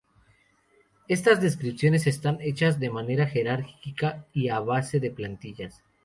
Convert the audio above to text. Estas descripciones están hechas de manera jerárquica y a base de plantillas.